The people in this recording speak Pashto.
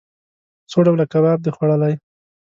څو ډوله کباب د خوړلئ؟